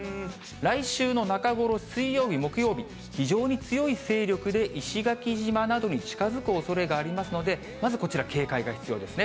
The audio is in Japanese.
来週の中頃、水曜日、木曜日、非常に強い勢力で石垣島などに近づくおそれがありますので、まずこちら、警戒が必要ですね。